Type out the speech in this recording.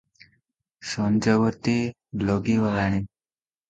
ସଞ୍ଜବତୀ ଲଗି ଗଲାଣି ।